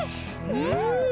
うん！